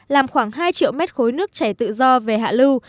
làm khoảng hai triệu mét khối nước chảy tự do về hạ lưu